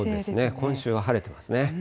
今週は晴れてますね。